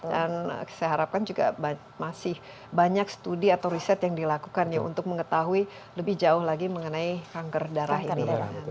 dan saya harapkan juga masih banyak studi atau riset yang dilakukan ya untuk mengetahui lebih jauh lagi mengenai kanker darah ini